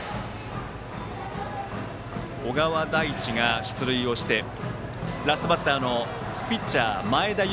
小川大地が出塁をしてラストバッターのピッチャー前田悠